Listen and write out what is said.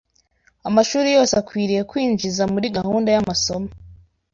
Amashuri yose akwiriye kwinjiza muri gahunda y’amasomo